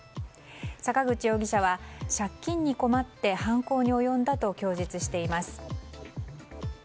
坂口容疑者は借金に困って犯行に及んだと供述しています。